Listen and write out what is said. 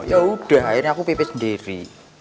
yaudah akhirnya aku pipis sendiri